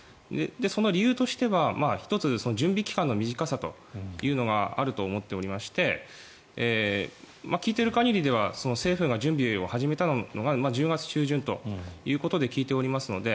その理由としては１つ、準備期間の短さというのがあると思いまして聞いている限りでは政府が準備を始めたのが１０月中旬ということで聞いておりますので。